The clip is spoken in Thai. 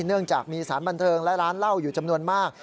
เนื่องจากมีสารบันเทิงและร้านเหล้าอยู่จำนวนมาก